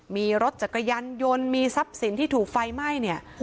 มีรถจากกระยันยนต์มีทรัพย์สินที่ถูกไฟไหม้